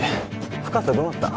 深瀬どうなった？